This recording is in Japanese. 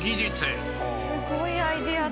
すごいアイデアだ！